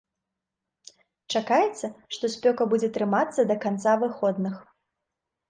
Чакаецца, што спёка будзе трымацца да канца выходных.